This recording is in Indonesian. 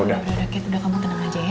udah udah kak udah kamu tenang aja ya